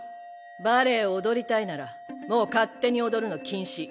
バレエを踊りたいならもう勝手に踊るの禁止。